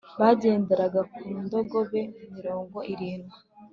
bagenderaga ku ndogobe mirongo irindwi